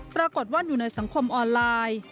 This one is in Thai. ปรากฏว่าอยู่ในสังคมออนไลน์